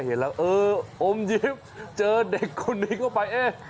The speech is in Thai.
เห็นแล้วเอออมยิ้มเจอเด็กคนนี้เข้าไปเอ๊ะ